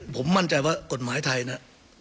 ผมมั่นใจว่ากฎหมายไทยนะ